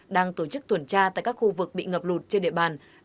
đang tổ chức tuần tra tại các khu vực bị ngập lụt trên địa bàn